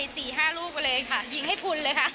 สู้